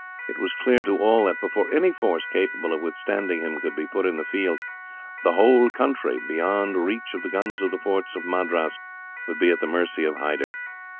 It was clear to all that, before any force capable of withstanding him could be put in the field, the whole country, beyond reach of the guns of the forts at Madras, would be at the mercy of Hyder.